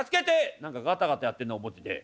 「何かガタガタやってんなこっちで。